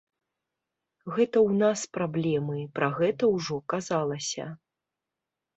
Гэта ў нас праблемы, пра гэта ўжо казалася.